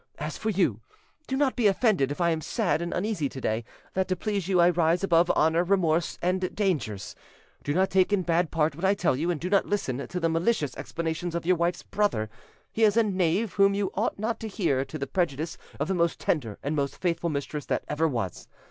"As for you, do not be offended if I am sad and uneasy to day, that to please you I rise above honour, remorse, and dangers. Do not take in bad part what I tell you, and do not listen to the malicious explanations of your wife's brother; he is a knave whom you ought not to hear to the prejudice of the most tender and most faithful mistress that ever was.